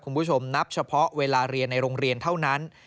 คุณผู้ชมนับเฉพาะเวลาเรียนในโรงเรียนเท่านั้น